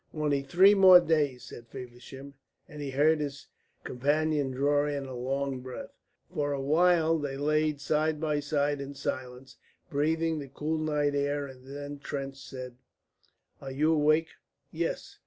"Only three more days," said Feversham, and he heard his companion draw in a long breath. For a while they lay side by side in silence, breathing the cool night air, and then Trench said: "Are you awake?" "Yes."